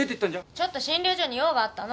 ちょっと診療所に用があったの。